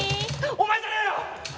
お前じゃねえよ！